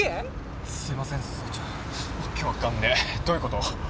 どういうこと？